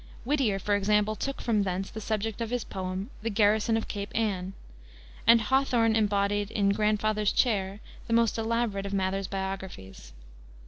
Whittier, for example, took from thence the subject of his poem The Garrison of Cape Anne; and Hawthorne embodied in Grandfather's Chair the most elaborate of Mather's biographies.